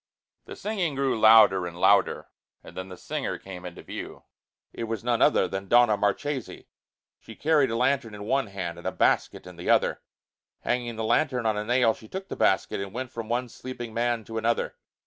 The singing grew louder and louder, and then the singer came into view. It was none other than Donna Marchesi! She carried a lantern in one hand and a basket in the other. Hanging the lantern on a nail, she took the basket and went from one sleeping man to another.